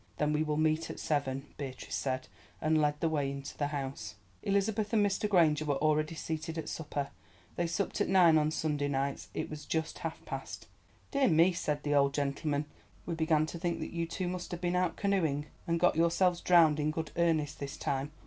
"Then we will meet at seven," Beatrice said, and led the way into the house. Elizabeth and Mr. Granger were already seated at supper. They supped at nine on Sunday nights; it was just half past. "Dear me," said the old gentleman, "we began to think that you two must have been out canoeing and got yourselves drowned in good earnest this time.